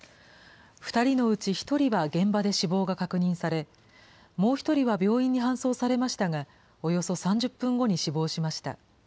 ２人のうち１人は現場で死亡が確認され、もう１人は病院に搬送されましたが、およそ３０分後に死亡しました。